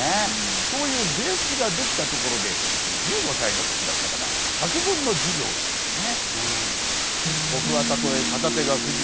そういうベースが出来たところで１５歳の時だったかな作文の授業があってね。